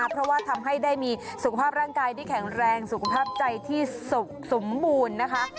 เพราะว่าทำให้ได้มีสุขภาพร่างกายที่แข็งแรงสุขภาพใจที่สุขสมบูรณ์นะคะ